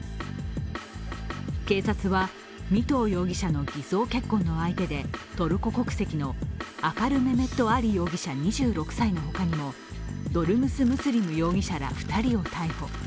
警察は味藤容疑者の偽装結婚の相手で、トルコ国籍のアカル・メメット・アリ容疑者２６歳の他にもドルムス・ムスリム容疑者ら２人を逮捕。